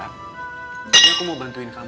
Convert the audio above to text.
akhirnya aku mau bantuin kamu